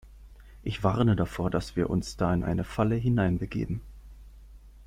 Ich warne davor, dass wir uns da in eine Falle hineinbegeben.